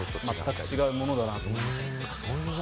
まったく違うものだと思います。